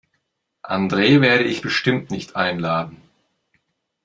Andre werde ich bestimmt nicht einladen.